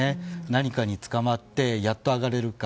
何かにつかまってやっと上がれるか。